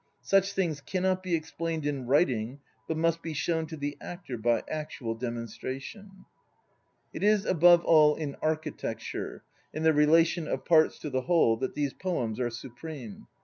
Such things cannot be explained in writ ing but must be shown to the actor by actual demonstration. It is above all in "architecture," in the relation of parts to the whole, that these poems are supreme.